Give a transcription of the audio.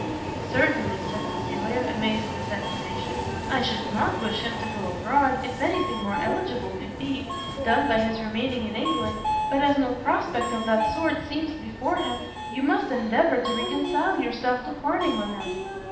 "Certainly," said Cecilia, amazed at this accusation, "I should not wish him to go abroad, if any thing more eligible could be, done by his remaining in England but as no prospect of that sort seems before him, you must endeavour to reconcile yourself to parting with him."